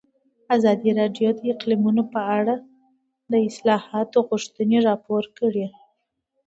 ازادي راډیو د اقلیتونه په اړه د اصلاحاتو غوښتنې راپور کړې.